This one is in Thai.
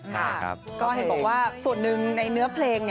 ค่ะก็เห็นบอกว่าส่วนหนึ่งในเนื้อเพลง